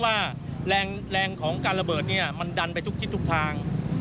ว่าแรงของการระเบิดมันดันไปทุกทาง